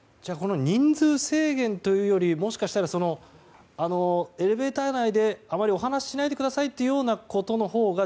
人数制限というよりもしかしたらエレベーター内であまりお話ししないでくださいということのほうが